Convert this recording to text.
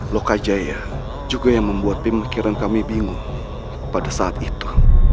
lokajaya juga yang membuat tim pikiran kami bingung pada saat itu